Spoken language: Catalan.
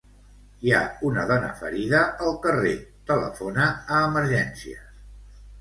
Hi ha una dona ferida al carrer; telefona a Emergències.